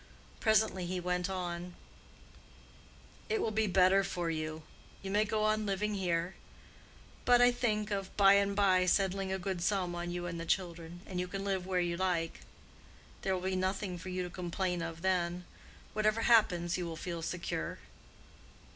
Presently he went on, "It will be better for you. You may go on living here. But I think of by and by settling a good sum on you and the children, and you can live where you like. There will be nothing for you to complain of then. Whatever happens, you will feel secure.